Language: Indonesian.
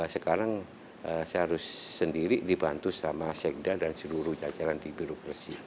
sekarang saya harus sendiri dibantu sama sekdan dan seluruh jajaran di biro kresil